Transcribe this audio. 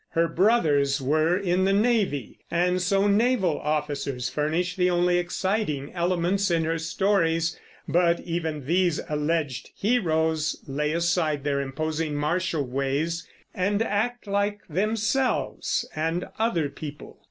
Her brothers were in the navy, and so naval officers furnish the only exciting elements in her stories; but even these alleged heroes lay aside their imposing martial ways and act like themselves and other people.